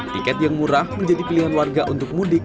tiket yang murah menjadi pilihan warga untuk mudik